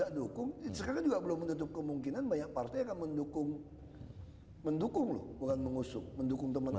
banyak yang nggak dukung sekarang juga belum menutup kemungkinan banyak partai yang akan mendukung mendukung loh bukan mengusuk mendukung teman ahok